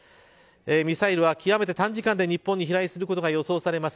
ミサイルは極めて短時間で日本に飛来することが予想されます。